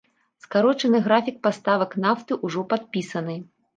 Скарочаны графік паставак нафты ўжо падпісаны.